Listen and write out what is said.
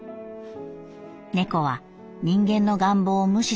猫は人間の願望を無視する。